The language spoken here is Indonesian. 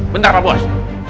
bentar pak bos